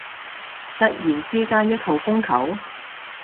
突然之間一號風球？